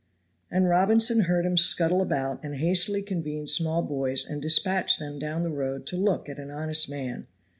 And Robinson heard him scuttle about and hastily convene small boys and dispatch them down the road to look at an honest man.